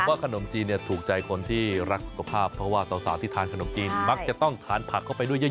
ว่าขนมจีนเนี่ยถูกใจคนที่รักสุขภาพเพราะว่าสาวที่ทานขนมจีนมักจะต้องทานผักเข้าไปด้วยเยอะ